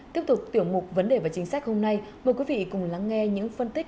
tiếp tục tiểu mục vấn đề và chính sách hôm nay mời quý vị cùng lắng nghe những phân tích